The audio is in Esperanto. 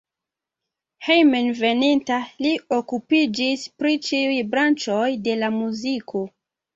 Hejmenveninta li okupiĝis pri ĉiuj branĉoj de la muziko.